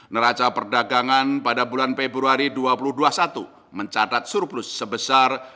neraca perdagangan pada bulan februari dua ribu dua puluh satu mencatat surplus sebesar